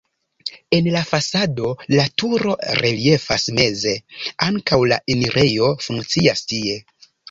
En la fasado la turo reliefas meze, ankaŭ la enirejo funkcias tie.